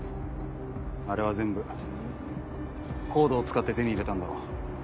あれは全部ＣＯＤＥを使って手に入れたんだろ？